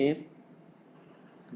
dan arahan itu sudah diberikan ke kami